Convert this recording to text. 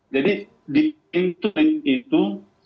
jadi di pintu itu